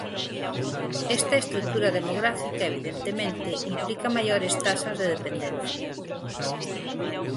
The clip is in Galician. Esta estrutura demográfica, evidentemente, implica maiores taxas de dependencia.